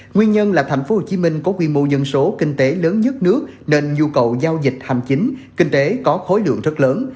nguyên nhân là tp hcm có quy mô dân số kinh tế lớn nhất nước nên nhu cầu giao dịch hành chính kinh tế có khối lượng rất lớn